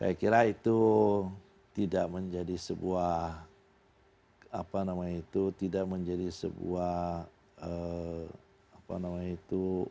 saya kira itu tidak menjadi sebuah apa namanya itu tidak menjadi sebuah apa namanya itu